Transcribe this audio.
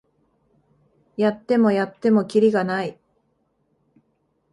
やってもやってもキリがない